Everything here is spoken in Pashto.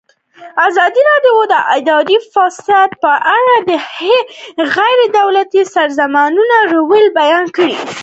ازادي راډیو د اداري فساد په اړه د غیر دولتي سازمانونو رول بیان کړی.